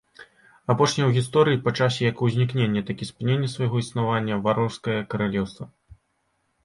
Апошняе ў гісторыі па часе як узнікнення, так і спынення свайго існавання варварскае каралеўства.